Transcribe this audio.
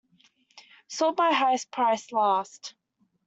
Sort by highest price last.